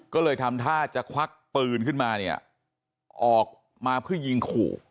ก็เลยทำท่าจะควักปืนขึ้นมาเนี่ยออกมาเพื่อยิงขู่